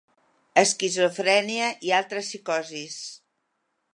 Esquizofrènia i altres psicosis.